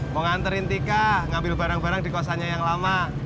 mau nganterin tika ngambil barang barang di kosannya yang lama